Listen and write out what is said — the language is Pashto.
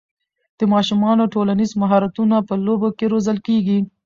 د ماشومانو ټولنیز مهارتونه په لوبو کې روزل کېږي.